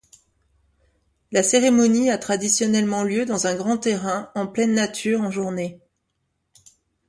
La cérémonie a traditionnellement lieu dans un grand terrain en pleine nature en journée.